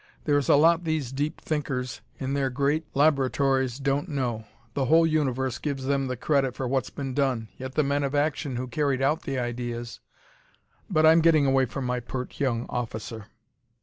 There is a lot these deep thinkers, in their great laboratories, don't know. The whole universe gives them the credit for what's been done, yet the men of action who carried out the ideas but I'm getting away from my pert young officer.